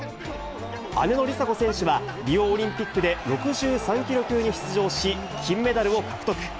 姉の梨紗子選手は、リオオリンピックで６３キロ級に出場し、金メダルを獲得。